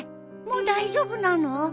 もう大丈夫なの？